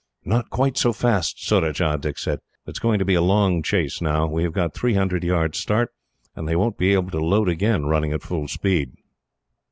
"Not quite so fast, Surajah," Dick said. "It is going to be a long chase, now. We have got three hundred yards start, and they won't be able to load again, running at full speed."